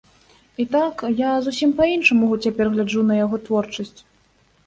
І так, я зусім па-іншаму цяпер гляджу на яго творчасць.